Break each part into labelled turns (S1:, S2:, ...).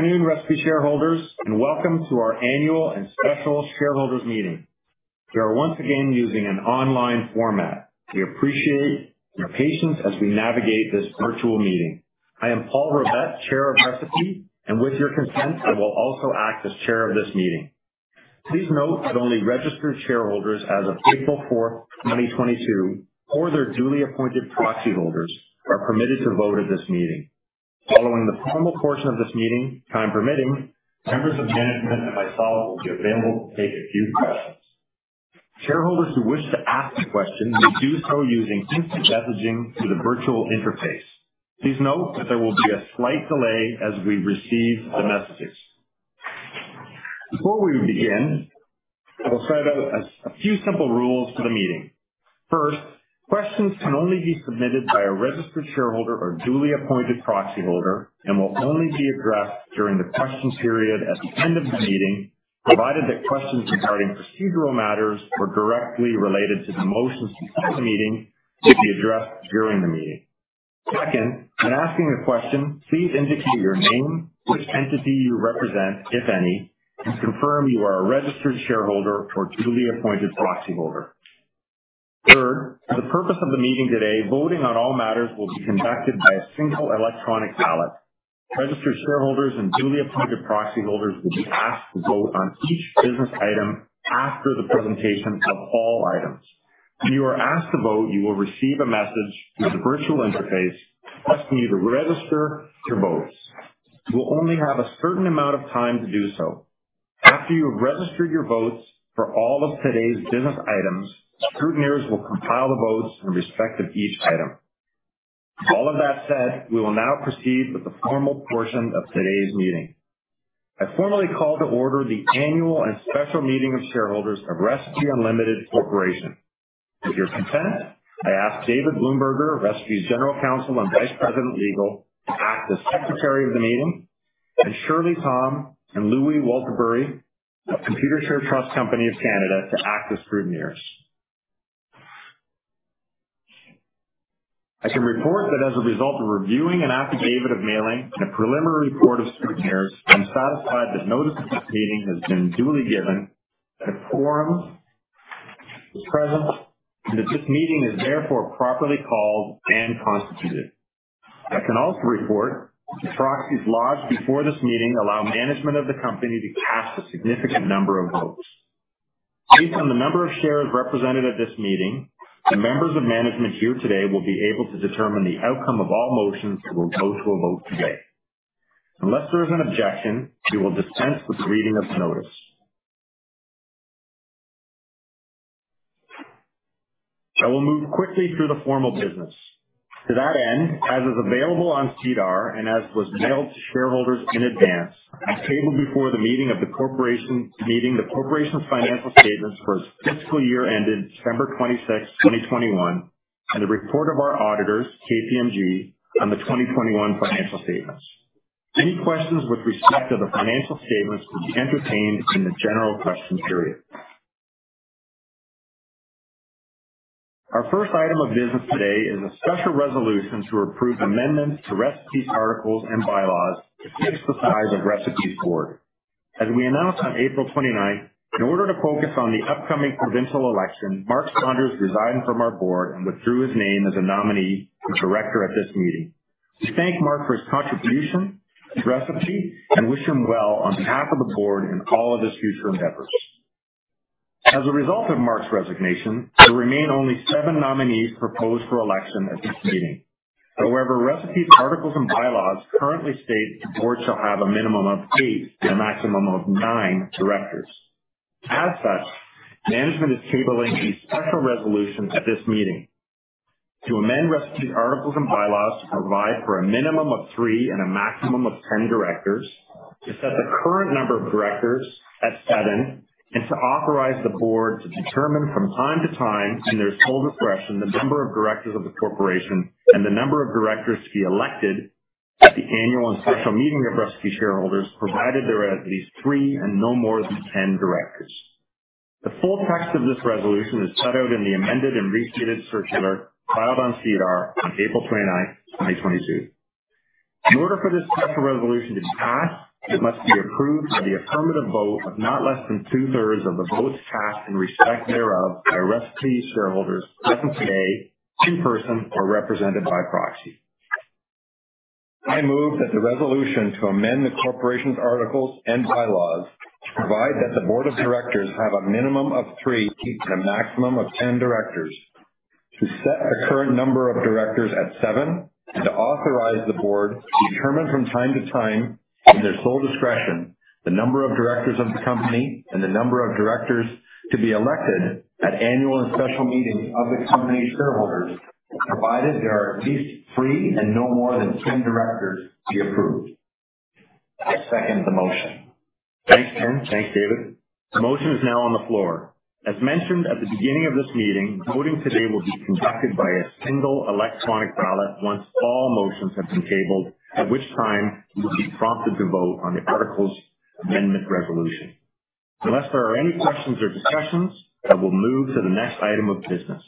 S1: Good afternoon, Recipe shareholders, and welcome to our annual and special shareholders meeting. We are once again using an online format. We appreciate your patience as we navigate this virtual meeting. I am Paul Rivett, chair of Recipe, and with your consent, I will also act as chair of this meeting. Please note that only registered shareholders as of April 4th, 2022, or their duly appointed proxy holders are permitted to vote at this meeting. Following the formal portion of this meeting, time permitting, members of management and myself will be available to take a few questions. Shareholders who wish to ask a question may do so using instant messaging through the virtual interface. Please note that there will be a slight delay as we receive the messages. Before we begin, I will set out a few simple rules for the meeting. First, questions can only be submitted by a registered shareholder or duly appointed proxy holder and will only be addressed during the question period at the end of the meeting, provided that questions regarding procedural matters or directly related to the motions before the meeting may be addressed during the meeting. Second, when asking a question, please indicate your name, which entity you represent, if any, and confirm you are a registered shareholder or duly appointed proxy holder. Third, for the purpose of the meeting today, voting on all matters will be conducted by a single electronic ballot. Registered shareholders and duly appointed proxy holders will be asked to vote on each business item after the presentation of all items. When you are asked to vote, you will receive a message through the virtual interface asking you to register your votes. You will only have a certain amount of time to do so. After you have registered your votes for all of today's business items, scrutineers will compile the votes in respect of each item. All of that said, we will now proceed with the formal portion of today's meeting. I formally call to order the annual and special meeting of shareholders of Recipe Unlimited Corporation. With your consent, I ask David Smyl, Recipe's General Counsel and Vice President, Legal, to act as Secretary of the meeting, and Shirley Tom and Louis Walterbury of Computershare Trust Company of Canada to act as scrutineers. I can report that as a result of reviewing an affidavit of mailing and a preliminary report of scrutineers, I am satisfied that notice of this meeting has been duly given, that a quorum is present, and that this meeting is therefore properly called and constituted. I can also report that proxies lodged before this meeting allow management of the company to cast a significant number of votes. Based on the number of shares represented at this meeting, the members of management here today will be able to determine the outcome of all motions that will go to a vote today. Unless there is an objection, we will dispense with the reading of the notice. I will move quickly through the formal business. To that end, as is available on SEDAR and as was mailed to shareholders in advance, I table before the meeting of the corporation's financial statements for its fiscal year ended December 26th, 2021, and the report of our auditors, KPMG, on the 2021 financial statements. Any questions with respect to the financial statements will be entertained in the general question period. Our first item of business today is a special resolution to approve amendments to Recipe's articles and bylaws to fix the size of Recipe's board. As we announced on April 29th, in order to focus on the upcoming provincial election, Mark Saunders resigned from our board and withdrew his name as a nominee for director at this meeting. We thank Mark for his contribution to Recipe and wish him well on behalf of the board in all of his future endeavors. As a result of Mark's resignation, there remain only seven nominees proposed for election at this meeting. However, Recipe's articles and bylaws currently state the board shall have a minimum of eight and a maximum of nine directors. As such, management is tabling a special resolution at this meeting to amend Recipe's articles and bylaws to provide for a minimum of three and a maximum of 10 directors, to set the current number of directors at seven, and to authorize the board to determine from time to time, in their sole discretion, the number of directors of the corporation and the number of directors to be elected at the annual and special meeting of Recipe shareholders, provided there are at least three and no more than 10 directors. The full text of this resolution is set out in the amended and restated circular filed on SEDAR on April 29th, 2022. In order for this special resolution to pass, it must be approved by the affirmative vote of not less than two-thirds of the votes cast in respect thereof by Recipe shareholders present today, in person, or represented by proxy.
S2: I move that the resolution to amend the corporation's articles and bylaws to provide that the board of directors have a minimum of three and a maximum of 10 directors, to set the current number of directors at seven, and to authorize the board to determine from time to time, in their sole discretion, the number of directors of the company and the number of directors to be elected at annual and special meetings of the company shareholders, provided there are at least three and no more than 10 directors to be approved.
S3: I second the motion.
S1: Thanks, Sean. Thanks, David. The motion is now on the floor. As mentioned at the beginning of this meeting, voting today will be conducted by a single electronic ballot once all motions have been tabled, at which time you will be prompted to vote on the articles amendment resolution. Unless there are any questions or discussions, I will move to the next item of business.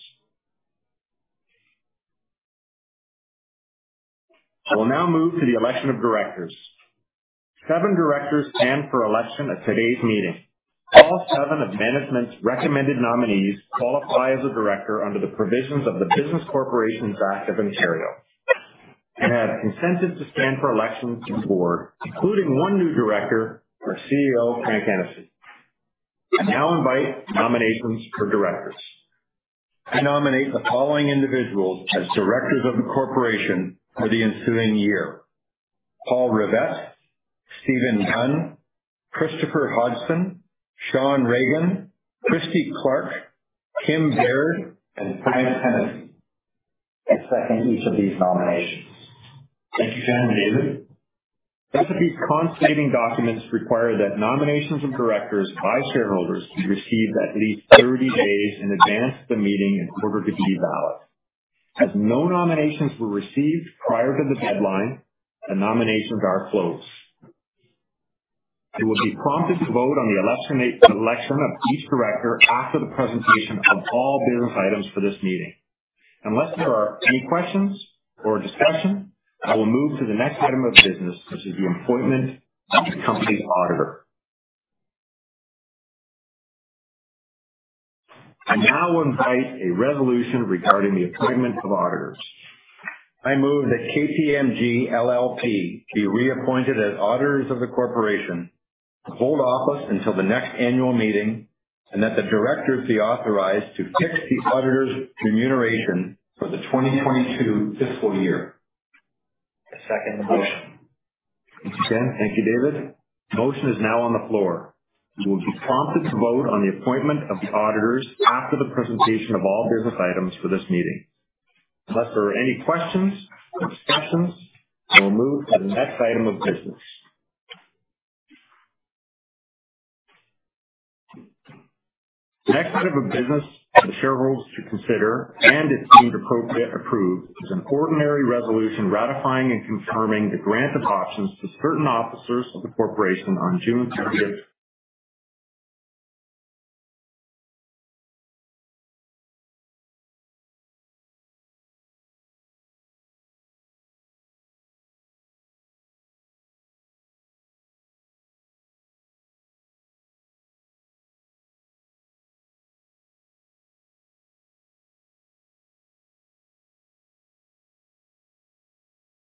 S1: I will now move to the election of directors. Seven directors stand for election at today's meeting. All seven of management's recommended nominees qualify as a director under the provisions of the Business Corporations Act (Ontario), and have consented to stand for election to the board, including one new director, our CEO, Frank Hennessey. I now invite nominations for directors.
S2: I nominate the following individuals as directors of the corporation for the ensuing year. Paul Rivett, Stephen Gunn, Christopher Hodgson, Sean Regan, Christy Clark, Kim Baird, and Frank Hennessey.
S3: I second each of these nominations.
S1: Thank you, Sean and David. Both of these constating documents require that nominations of directors by shareholders be received at least 30 days in advance of the meeting in order to be valid. As no nominations were received prior to the deadline, the nominations are closed. You will be prompted to vote on the election of each director after the presentation of all business items for this meeting. Unless there are any questions or discussion, I will move to the next item of business, which is the appointment of the company's auditor. I now invite a resolution regarding the appointment of auditors.
S2: I move that KPMG LLP be reappointed as auditors of the corporation, to hold office until the next annual meeting, and that the directors be authorized to fix the auditors' remuneration for the 2022 fiscal year.
S3: I second the motion.
S1: Thank you, Sean. Thank you, David. The motion is now on the floor. You will be prompted to vote on the appointment of the auditors after the presentation of all business items for this meeting. Unless there are any questions or discussions, I will move to the next item of business. The next item of business for the shareholders to consider, and, if deemed appropriate, approve, is an ordinary resolution ratifying and confirming the grant of options to certain officers of the corporation on June 30th.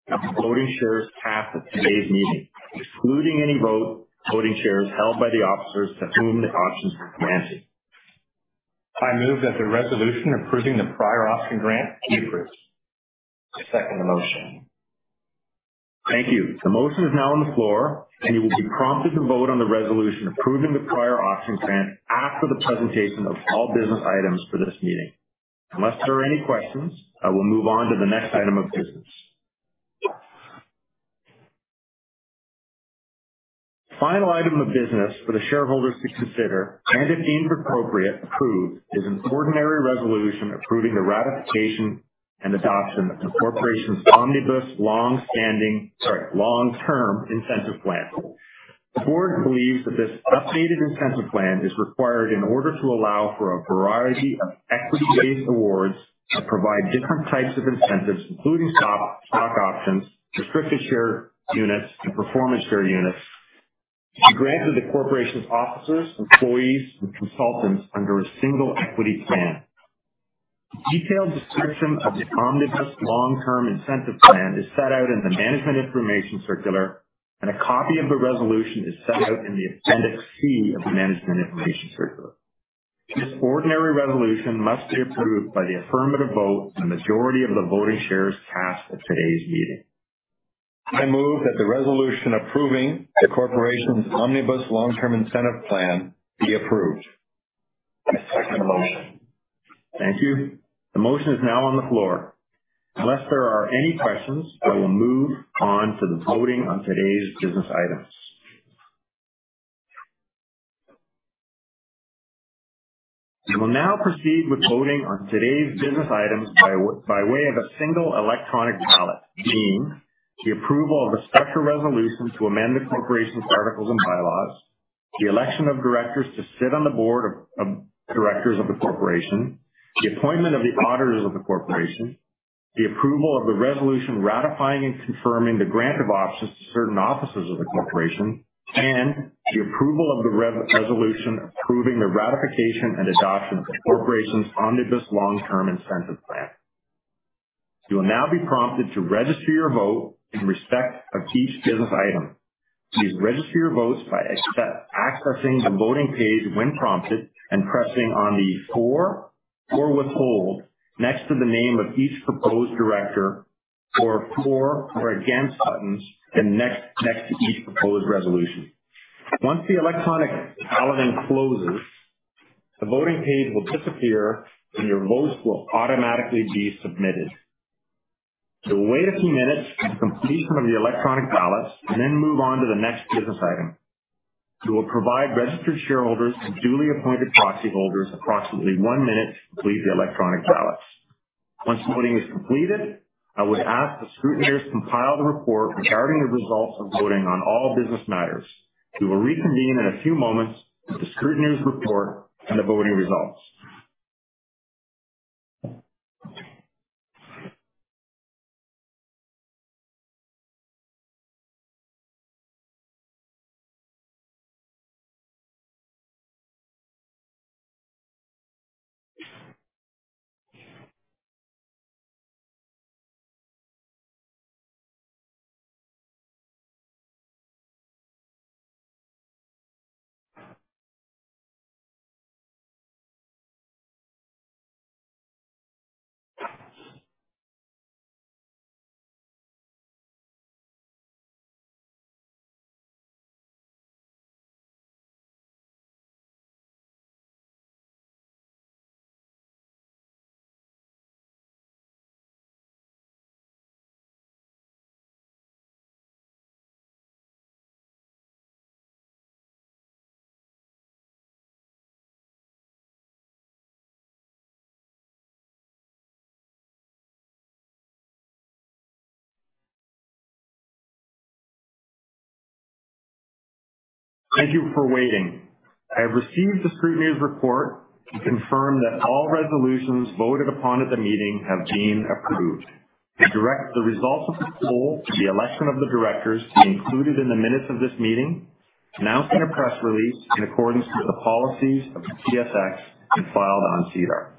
S1: Of voting shares cast at today's meeting, excluding any voting shares held by the officers to whom the option is granting.
S2: I move that the resolution approving the prior option grant be approved.
S3: I second the motion.
S1: Thank you. The motion is now on the floor, and you will be prompted to vote on the resolution approving the prior option grant after the presentation of all business items for this meeting. Unless there are any questions, I will move on to the next item of business. The final item of business for the shareholders to consider, and if deemed appropriate, approve, is an ordinary resolution approving the ratification and adoption of the corporation's omnibus long-term incentive plan. The board believes that this updated incentive plan is required in order to allow for a variety of equity-based awards that provide different types of incentives, including stock options, restricted share units, and performance share units, be granted to the corporation's officers, employees, and consultants under a single equity plan. A detailed description of the omnibus long-term incentive plan is set out in the management information circular, and a copy of the resolution is set out in the Appendix C of the management information circular. This ordinary resolution must be approved by the affirmative vote of the majority of the voting shares cast at today's meeting.
S2: I move that the resolution approving the corporation's omnibus long-term incentive plan be approved.
S3: I second the motion.
S1: Thank you. The motion is now on the floor. Unless there are any questions, I will move on to the voting on today's business items. We will now proceed with voting on today's business items by way of a single electronic ballot, being the approval of a special resolution to amend the corporation's articles and bylaws, the election of Directors to sit on the Board of Directors of the corporation, the appointment of the auditors of the corporation, the approval of the resolution ratifying and confirming the grant of options to certain officers of the corporation, and the approval of the resolution approving the ratification and adoption of the corporation's omnibus long-term incentive plan. You will now be prompted to register your vote in respect of each business item. Please register your votes by accessing the voting page when prompted and pressing on the for or withhold next to the name of each proposed director, or for or against buttons next to each proposed resolution. Once the electronic balloting closes, the voting page will disappear, and your votes will automatically be submitted. Wait a few minutes for completion of the electronic ballots, and then move on to the next business item. We will provide registered shareholders and duly appointed proxy holders approximately one minute to complete the electronic ballots. Once voting is completed, I would ask the scrutineers compile the report regarding the results of voting on all business matters. We will reconvene in a few moments with the scrutineer's report and the voting results. Thank you for waiting. I have received the scrutineer's report to confirm that all resolutions voted upon at the meeting have been approved. I direct the results of the poll for the election of the directors to be included in the minutes of this meeting, announced in a press release in accordance with the policies of the TSX and filed on SEDAR.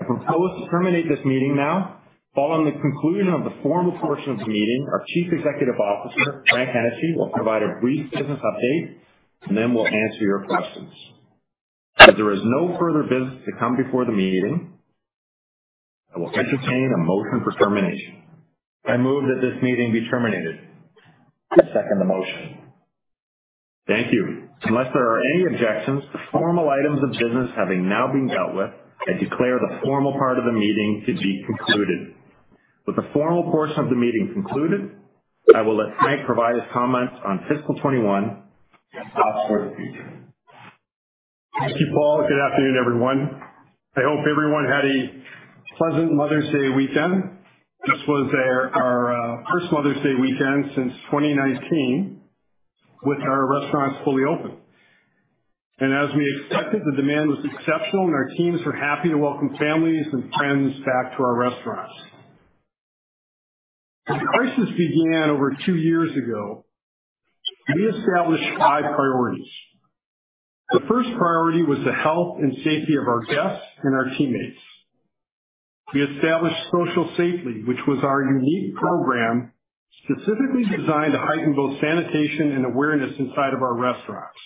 S1: I propose to terminate this meeting now. Following the conclusion of the formal portion of the meeting, our Chief Executive Officer, Frank Hennessey, will provide a brief business update, and then we'll answer your questions. As there is no further business to come before the meeting, I will entertain a motion for termination.
S2: I move that this meeting be terminated.
S3: I second the motion.
S1: Thank you. Unless there are any objections, the formal items of business having now been dealt with, I declare the formal part of the meeting to be concluded. With the formal portion of the meeting concluded, I will let Frank provide his comments on fiscal 2021 and thoughts for the future.
S4: Thank you, Paul. Good afternoon, everyone. I hope everyone had a pleasant Mother's Day weekend. This was our first Mother's Day weekend since 2019 with our restaurants fully open. As we expected, the demand was exceptional, and our teams were happy to welcome families and friends back to our restaurants. When the crisis began over two years ago, we established five priorities. The first priority was the health and safety of our guests and our teammates. We established Social Safely, which was our unique program specifically designed to heighten both sanitation and awareness inside of our restaurants.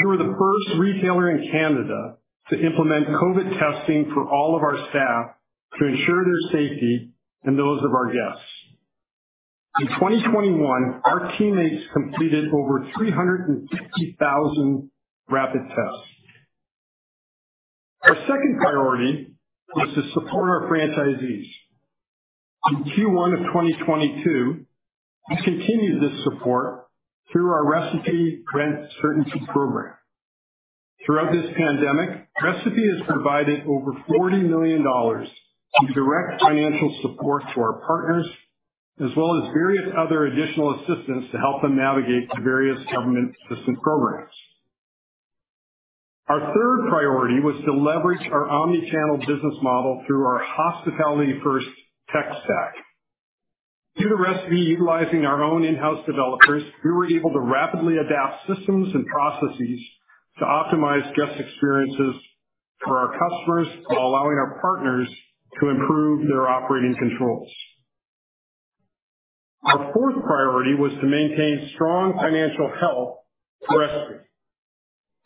S4: We were the first retailer in Canada to implement COVID testing for all of our staff to ensure their safety and those of our guests. In 2021, our teammates completed over 350,000 rapid tests. Our second priority was to support our franchisees. In Q1 of 2022, we continued this support through our Recipe Rent Certainty Program. Throughout this pandemic, Recipe has provided over 40 million dollars in direct financial support to our partners, as well as various other additional assistance to help them navigate the various government assistance programs. Our third priority was to leverage our omni-channel business model through our hospitality-first tech stack. Due to Recipe utilizing our own in-house developers, we were able to rapidly adapt systems and processes to optimize guest experiences for our customers while allowing our partners to improve their operating controls. Our fourth priority was to maintain strong financial health for Recipe.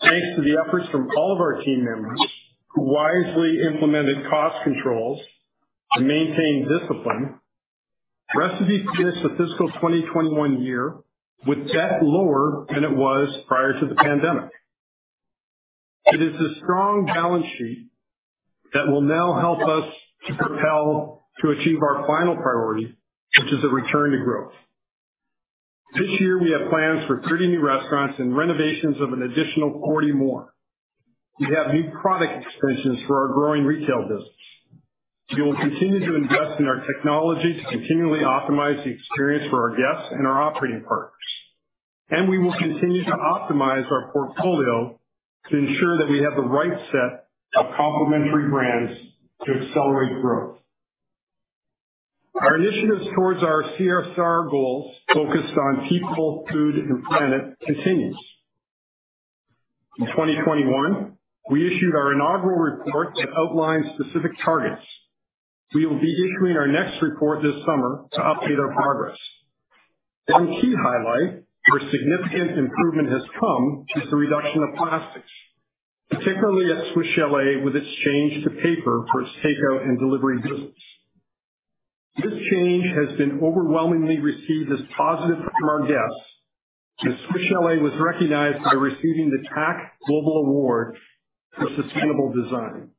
S4: Thanks to the efforts from all of our team members, who wisely implemented cost controls and maintained discipline, Recipe finished the fiscal 2021 year with debt lower than it was prior to the pandemic. It is a strong balance sheet that will now help us to propel to achieve our final priority, which is a return to growth. This year, we have plans for 30 new restaurants and renovations of an additional 40 more. We have new product expansions for our growing retail business. We will continue to invest in our technology to continually optimize the experience for our guests and our operating partners. We will continue to optimize our portfolio to ensure that we have the right set of complementary brands to accelerate growth. Our initiatives towards our CSR goals focused on people, food, and planet continues. In 2021, we issued our inaugural report that outlined specific targets. We will be issuing our next report this summer to update our progress. One key highlight where significant improvement has come is the reduction of plastics, particularly at Swiss Chalet, with its change to paper for its takeout and delivery business. This change has been overwhelmingly received as positive from our guests, and Swiss Chalet was recognized by receiving the PAC Global Award for Sustainable Design.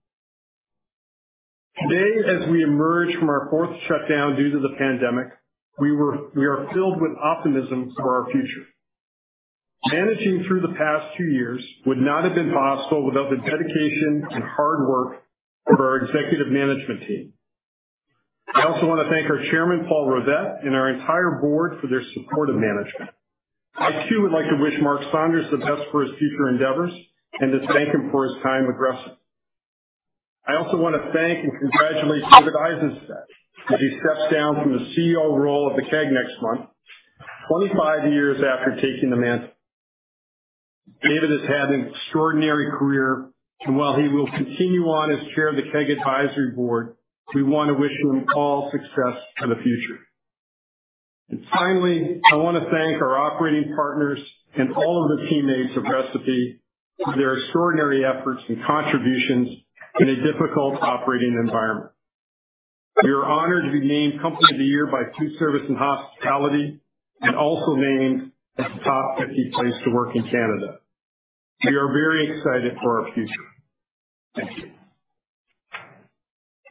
S4: Today, as we emerge from our fourth shutdown due to the pandemic, we are filled with optimism for our future. Managing through the past two years would not have been possible without the dedication and hard work of our executive management team. I also want to thank our chairman, Paul Rivett, and our entire board for their support of management. I too would like to wish Mark Saunders the best for his future endeavors, and to thank him for his time with Recipe. I also want to thank and congratulate David Aisenstat as he steps down from the CEO role of The Keg next month, 25 years after taking the mantle. David has had an extraordinary career, and while he will continue on as chair of The Keg advisory board, we want to wish him all success for the future. Finally, I want to thank our operating partners and all of the teammates of Recipe for their extraordinary efforts and contributions in a difficult operating environment. We are honored to be named Company of the Year by Foodservice and Hospitality, and also named as a top 50 place to work in Canada. We are very excited for our future. Thank you.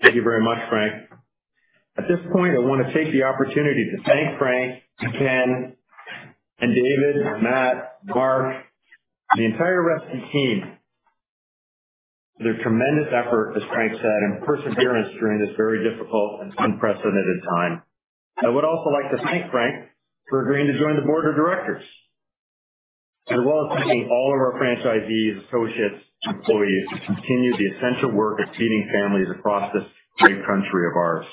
S1: Thank you very much, Frank. At this point, I want to take the opportunity to thank Frank, Ken, and David, Matt, Mark, and the entire Recipe team for their tremendous effort, as Frank said, and perseverance during this very difficult and unprecedented time. I would also like to thank Frank for agreeing to join the board of directors, as well as thanking all of our franchisees, associates, and employees, who continue the essential work of feeding families across this great country of ours.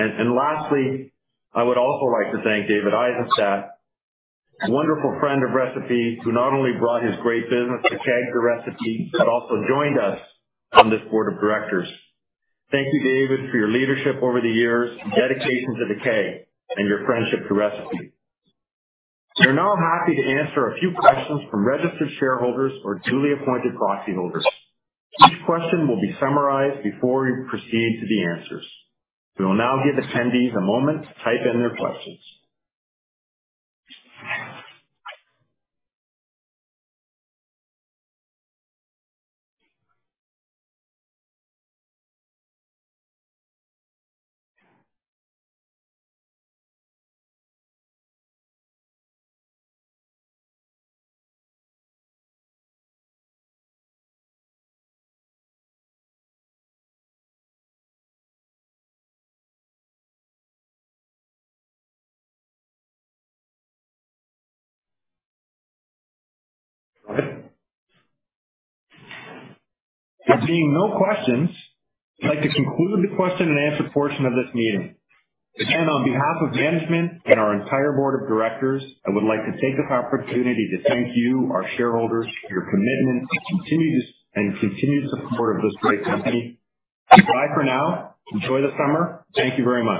S1: Lastly, I would also like to thank David Aisenstat, a wonderful friend of Recipe, who not only brought his great business, The Keg, to Recipe, but also joined us on this board of directors. Thank you, David, for your leadership over the years and dedication to The Keg and your friendship to Recipe. We are now happy to answer a few questions from registered shareholders or duly appointed proxy holders. Each question will be summarized before we proceed to the answers. We will now give attendees a moment to type in their questions. There being no questions, I'd like to conclude the question and answer portion of this meeting. Again, on behalf of management and our entire board of directors, I would like to take this opportunity to thank you, our shareholders, for your commitment and continued support of this great company. Goodbye for now. Enjoy the summer. Thank you very much.